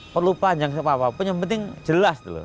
perlu panjang apa apa penting jelas